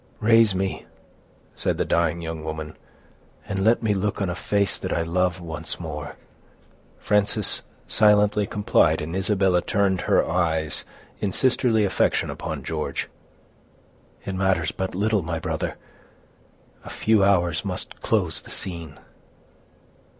"Raise me," said the dying young woman, "and let me look on a face that I love, once more." Frances silently complied, and Isabella turned her eyes in sisterly affection upon George. "It matters but little, my brother—a few hours must close the scene."